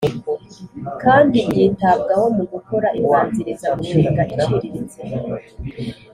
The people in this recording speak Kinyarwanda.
Kandi byitabwaho mu gukora imbanzirizamushinga iciriritse